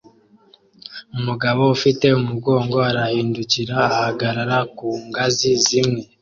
Umugabo ufite umugongo arahindukira ahagarara ku ngazi zimwe